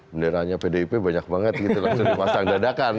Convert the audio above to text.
benderanya pdip banyak banget gitu langsung dipasang dadakan